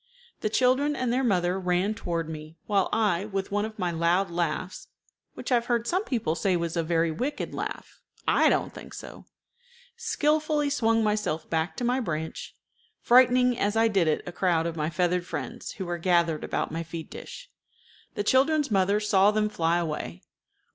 The children and their mother ran toward me, while I, with one of my loud laughs (which I have heard some people say was a very wicked laugh: I don't think so), skillfully swung myself back to my branch, frightening as I did it a crowd of my feathered friends who were gathered about my feed dish. The children's mother saw them fly away.